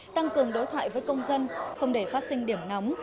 tăng cường đối thoại với công dân không để phát sinh điểm nóng